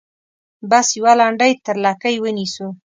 بس یوه لنډۍ تر لکۍ ونیسو.